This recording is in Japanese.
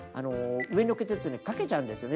上にのっけてるとかけちゃうんですよね。